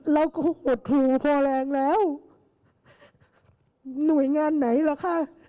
เราก็หดหูพอแรงแล้วหน่วยงานไหนล่ะคะ